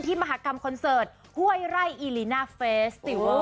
มหากรรมคอนเสิร์ตห้วยไร่อีลิน่าเฟสติเวอร์